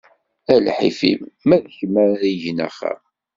A lḥif-im, ma d kem ara igen axxam!